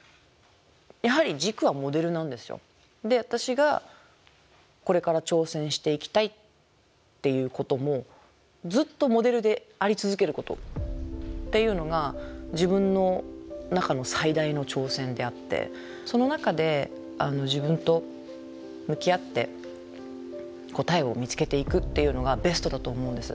で私がこれから挑戦していきたいっていうこともずっとモデルであり続けることっていうのが自分の中の最大の挑戦であってその中で自分と向き合って答えを見つけていくっていうのがベストだと思うんです。